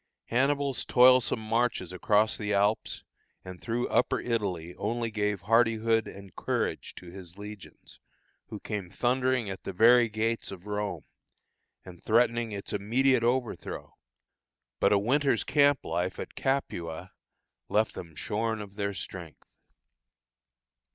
Hannibal's toilsome marches across the Alps and through Upper Italy only gave hardihood and courage to his legions, who came thundering at the very gates of Rome, and threatening its immediate overthrow; but a winter's camp life at Capua left them shorn of their strength.